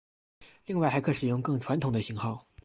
另外还可使用更传统的型号。